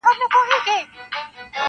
• د مېړه له بدرنګیه کړېدله -